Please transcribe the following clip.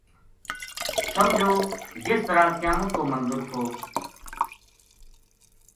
سمجھو جس طرح قیامت کو منظر تھو